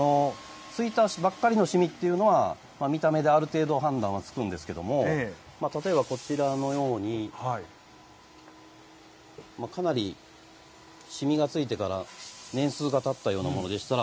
ついたばっかりの染みというのは見た目である程度判断はつくんですけども例えばこちらのようにかなり染みがついてから年数がたったようなものでしたら。